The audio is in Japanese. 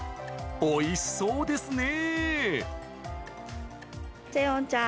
おいしそうですね。